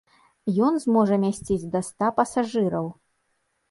Ён зможа мясціць да ста пасажыраў.